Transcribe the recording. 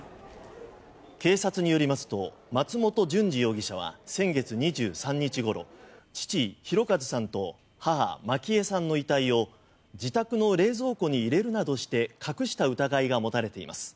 警察によりますと松本淳二容疑者は先月２３日ごろ父・博和さんと母・満喜枝さんの遺体を自宅の冷蔵庫に入れるなどして隠した疑いが持たれています。